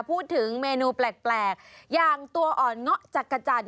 พูดถึงเมนูแปลกอย่างตัวอ่อนเงาะจักรจันท